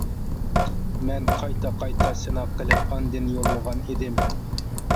مەن قايتا-قايتا سىناق قىلىپ ئاندىن يوللىغان ئىدىم.